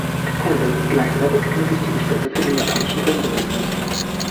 Der Tempel ist gleichzeitig eine wichtige Stätte für den japanischen Zen-Buddhismus.